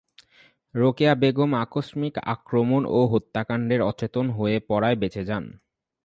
রোকেয়া বেগম আকস্মিক আক্রমণ ও হত্যাকাণ্ডে অচেতন হয়ে পড়ায় বেঁচে যান।